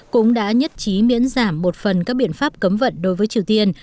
cũng đã nhất trí miễn giảm một phần các biện pháp cấm vận đối với triều tiên